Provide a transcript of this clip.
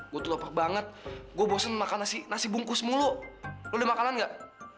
gue tuh lupa banget gue bosen makan nasi bungkus mulu lo udah makanan gak